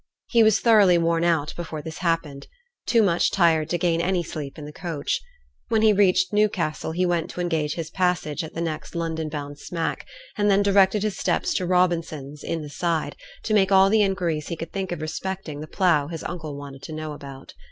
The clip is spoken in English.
He was thoroughly worn out before this happened too much tired to gain any sleep in the coach. When he reached Newcastle, he went to engage his passage in the next London bound smack, and then directed his steps to Robinson's, in the Side, to make all the inquiries he could think of respecting the plough his uncle wanted to know about.